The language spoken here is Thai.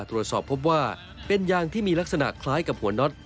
ตรวจสอบพบว่าเป็นยางที่มีลักษณะคล้ายกับหัวน็อต